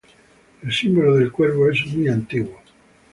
El símbolo del Cuervo es muy antiguo.